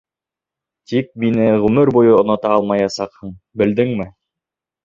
Тик мине ғүмер буйы онота алмаясаҡһың, белдеңме?